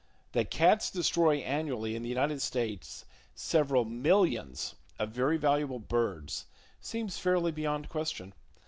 That cats destroy annually in the United States several millions of very valuable birds, seems fairly beyond question.